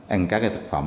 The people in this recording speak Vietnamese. ăn các cái thực phẩm